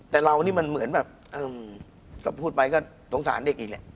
แต่เรานี่มันเหมือนแบบก็พูดไปก็สงสารเด็กอีกแหละ